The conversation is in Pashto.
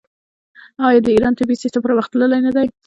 آیا د ایران طبي سیستم پرمختللی نه دی؟